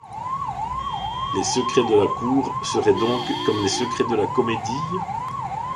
Les secrets de la cour seraient donc comme les secrets de la comédie ?